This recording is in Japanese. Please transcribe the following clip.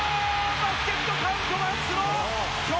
バスケットカウントワンスロー。